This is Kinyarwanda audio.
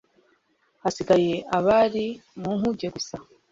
Hasigaye abari mu nkuge gusa